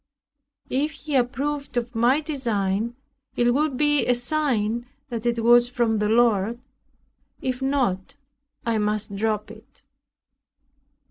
If he approved of my design, it would be a sign that it was from the Lord; if not, I must drop it.